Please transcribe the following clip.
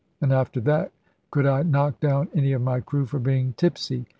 And after that, could I knock down any of my crew for being tipsy?